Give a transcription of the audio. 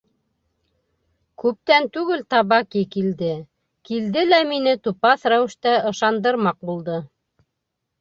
— Күптән түгел Табаки килде, килде лә мине тупаҫ рәүештә ышандырмаҡ булды.